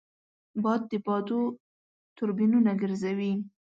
باد د بادو توربینونه ګرځوي